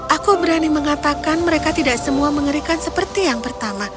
aku berani mengatakan mereka tidak semua mengerikan sepenuhnya